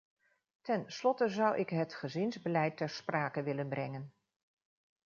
Ten slotte zou ik het gezinsbeleid ter sprake willen brengen.